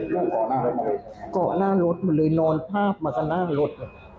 ลูกกล้อหน้ารถเหมือนจริงนะนอนพาบกล้านหน้ารถ